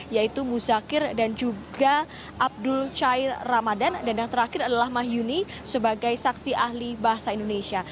yaitu muzakir dan juga abdul cair ramadan dan yang terakhir adalah mahyuni sebagai saksi ahli bahasa indonesia